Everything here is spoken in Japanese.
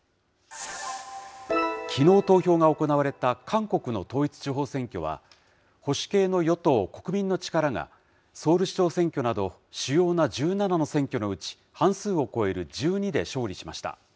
きのう投票が行われた韓国の統一地方選挙は、保守系の与党・国民の力が、ソウル市長選挙など、主要な１７の選挙のうち、半数を超える１２で勝利しました。